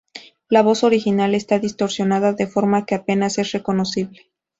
La voz original está distorsionada de forma que apenas es reconocible.